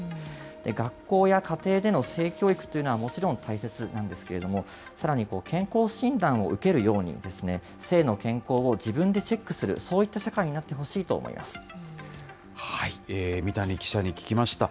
学校や家庭での性教育というのはもちろん大切なんですけれども、さらに健康診断を受けるように、性の健康を自分でチェックする、そういった社会になってほしいと三谷記者に聞きました。